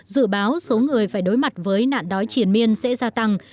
dự báo số người phải đối mặt với nạn đói triển miên sẽ gia tăng